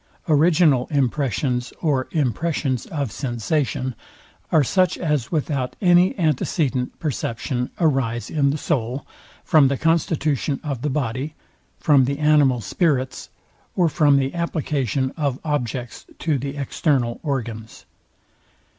Original impressions or impressions of sensation are such as without any antecedent perception arise in the soul, from the constitution of the body, from the animal spirits, or from the application of objects to the external organs.